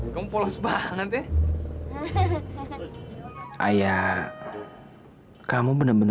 sampai jumpa di video selanjutnya